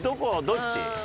どっち？